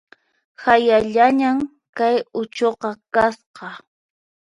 Hayallañan kay uchuqa kasqa